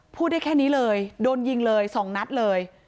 พูดได้แค่นี้เลยโดนยิงเลย๒นัดเลย